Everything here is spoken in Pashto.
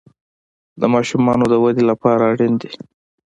د ماشومانو د ودې لپاره اړین دي.